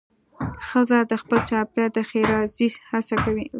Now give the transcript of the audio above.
ښځه د خپل چاپېریال د ښېرازۍ هڅه کوي.